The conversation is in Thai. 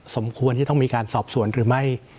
สมควรที่ต้องมีการสอบสวนหรือไม่